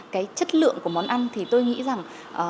cái chất lượng của món ăn thì tôi nghĩ rằng